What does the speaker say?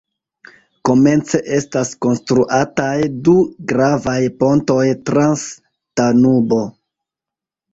Komence estas konstruataj du gravaj pontoj trans Danubo.